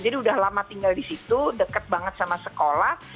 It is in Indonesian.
jadi udah lama tinggal disitu dekat banget sama sekolah